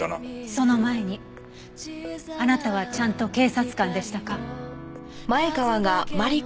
その前にあなたはちゃんと警察官でしたか？